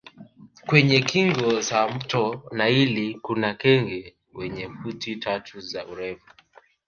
Kwenye kingo za mto naili kuna kenge wenye futi tatu za urefu